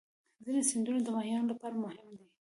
ځینې سیندونه د ماهیانو لپاره مهم دي.